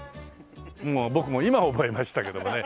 もう僕も今覚えましたけどもね。